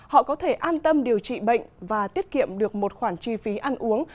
họ có thể an tâm điều trị bệnh và tiết kiệm được một khoản chi phí ăn uống